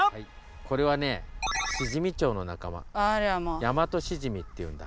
これはねシジミチョウの仲間ヤマトシジミっていうんだ。